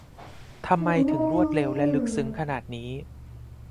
ทำไมถึงรวดเร็ว และ ลึกซึ้งขนาดนี้ !